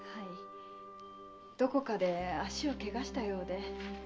どこかで足を怪我したようで。